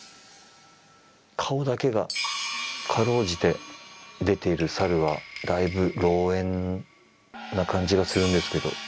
顔だけがかろうじて出ている猿はだいぶ老猿な感じがするんですけど。